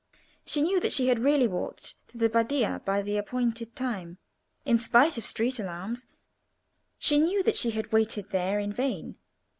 She knew that she had really walked to the Badia by the appointed time in spite of street alarms; she knew that she had waited there in vain.